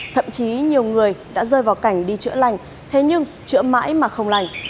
thậm chí nhiều người đã rơi vào cảnh đi chữa lành thế nhưng chữa mãi mà không lành